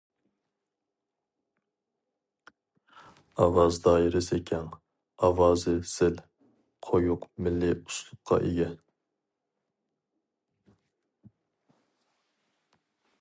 ئاۋاز دائىرىسى كەڭ، ئاۋازى زىل، قويۇق مىللىي ئۇسلۇبقا ئىگە.